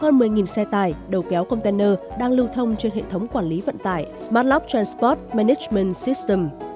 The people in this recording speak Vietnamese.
hơn một mươi xe tải đầu kéo container đang lưu thông trên hệ thống quản lý vận tải smartlock transport management system